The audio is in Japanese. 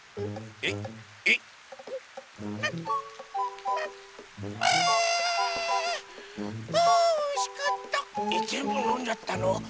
えっぜんぶのんじゃったの？